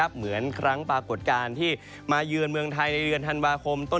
เหมือนครั้งปรากฏการณ์ที่มาเยือนเมืองไทยในเดือนธันวาคมต้น